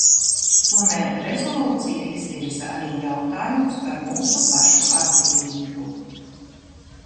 Tomēr rezolūcija izvirza arī jautājumus par mūsu pašu atbildību.